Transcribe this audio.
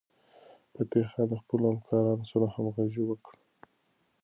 فتح خان د خپلو همکارانو سره همغږي وکړه.